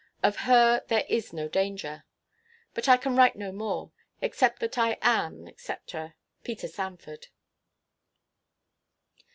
Of her there is no danger. But I can write no more, except that I am, &c., PETER SANFORD.